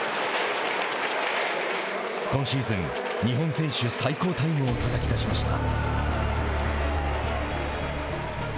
今シーズン、日本選手最高タイムをたたきだしました。